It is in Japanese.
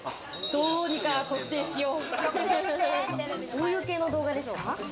どういう系の動画ですか？